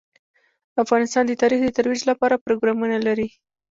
افغانستان د تاریخ د ترویج لپاره پروګرامونه لري.